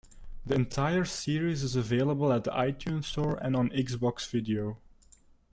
The entire series is available at the iTunes Store and on Xbox Video.